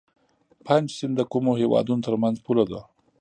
پنج سیند د کومو هیوادونو ترمنځ پوله ده؟